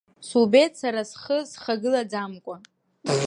Субеит сара схы схагылаӡамкәа.